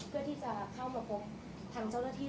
เพื่อที่จะเข้ามาพบทางเจ้าหน้าที่